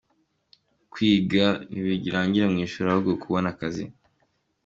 Kwiga ntibirangirira mu ishuri, ahubwo kubona akazi.